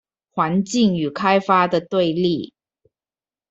環境與開發的對立